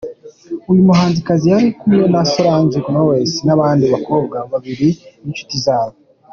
Uyu muhanzikazi yari kumwe na Solange Knowles n’abandi bakobwa babiri b’inshuti zabo.